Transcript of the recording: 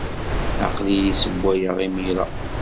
Aql-iyi ssewwayeɣ imir-a.